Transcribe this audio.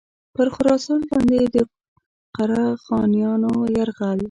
پر خراسان باندي د قره خانیانو یرغل.